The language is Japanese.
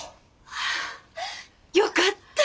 ああよかった！